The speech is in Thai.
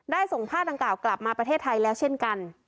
ส่งผ้าดังกล่าวกลับมาประเทศไทยแล้วเช่นกัน